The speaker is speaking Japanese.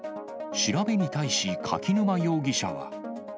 調べに対し柿沼容疑者は。